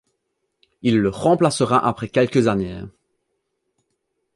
Il le remplacera après quelques années.